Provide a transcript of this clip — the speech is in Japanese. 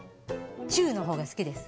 チュウのほうが好きです。